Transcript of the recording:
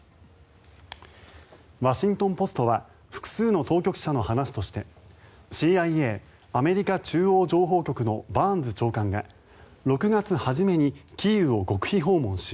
ワシントン・ポストは複数の当局者の話としてＣＩＡ・アメリカ中央情報局のバーンズ長官が６月初めにキーウを極秘訪問し